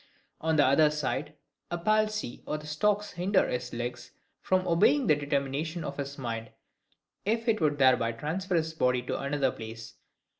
On the other side, a palsy or the stocks hinder his legs from obeying the determination of his mind, if it would thereby transfer his body to another place.